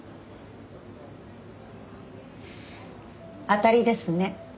当たりですね。